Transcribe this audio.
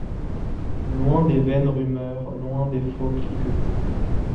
Loin des vaines rumeurs, loin des faux cliquetis